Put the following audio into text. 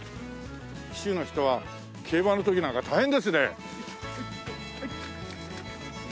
騎手の人は競馬の時なんか大変ですね。